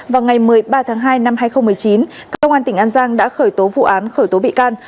vào ngày một mươi ba tháng hai năm hai nghìn một mươi chín công an tỉnh an giang đã khởi tố vụ án khởi tố bị can